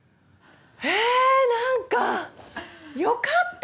え何かよかった！